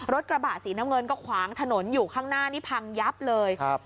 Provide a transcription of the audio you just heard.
รถกระบะสีน้ำเงินก็ขวางถนนอยู่ข้างหน้านี่พังยับเลยครับ